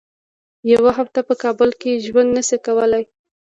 یوه هفته په کابل کې ژوند نه شي کولای.